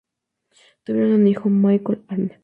Tuvieron un hijo, Michael Arne.